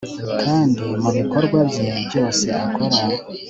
kandi mubikorwa bye byose akora